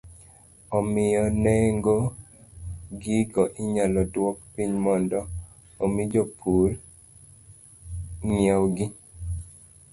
Omiyo, nengo gigo inyalo duok piny mondo omi jopur ong'iewgi